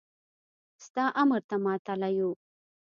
ستا امر ته ماتله يو.